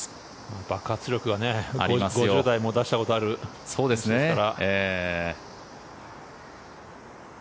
爆発力がね５０台も出したことがある選手ですから。